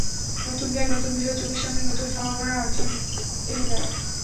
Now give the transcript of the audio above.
নতুন জ্ঞান, নতুন বিষয় চোখের সামনে নতুন সম্ভাবনার হাতছানি এনে দেয়।